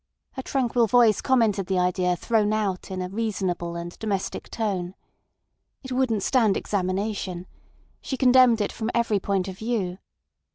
Her tranquil voice commented the idea thrown out in a reasonable and domestic tone. It wouldn't stand examination. She condemned it from every point of view.